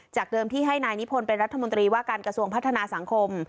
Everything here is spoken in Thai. เดิมที่ให้นายนิพนธ์เป็นรัฐมนตรีว่าการกระทรวงพัฒนาสังคม